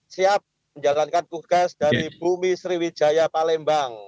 siap menjalankan tugas dari bumi sriwijaya palembang